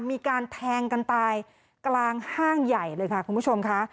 มีการแทงกันตายกลางห้างใหญ่เลยค่ะคุณผู้ชมค่ะ